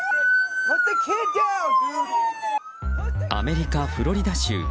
アメリカ・フロリダ州。